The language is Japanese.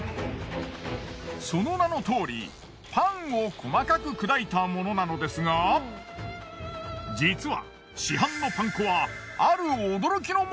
その名のとおりパンを細かく砕いたものなのですが実は。